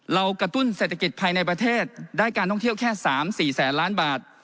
กระตุ้นเศรษฐกิจภายในประเทศได้การท่องเที่ยวแค่๓๔แสนล้านบาท